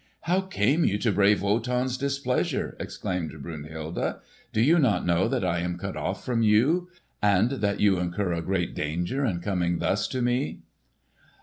"How came you to brave Wotan's displeasure?" exclaimed Brunhilde. "Do you not know that I am cut off from you, and that you incur a great danger in coming thus to me?"